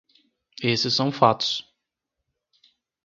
Esses são fatos.